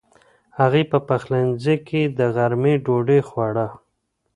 هغه په پخلنځي کې د غرمې ډوډۍ خوړه.